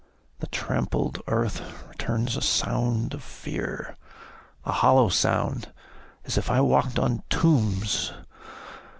The trampled earth returns a sound of fear A hollow sound, as if I walked on tombs!